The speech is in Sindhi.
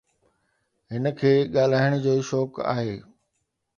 هن کي ڳالهائڻ جو شوق آهي.